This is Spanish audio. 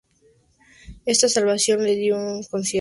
Esta salvación le dio un cierto prestigio a la familia.